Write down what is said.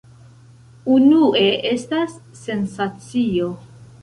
Unue estas sensacio.